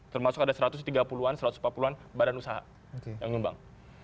termasuk ada satu ratus tiga puluh an satu ratus empat puluh an badan usaha yang nyumbang